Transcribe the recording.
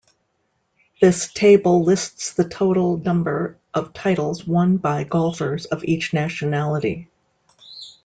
This table lists the total number of titles won by golfers of each nationality.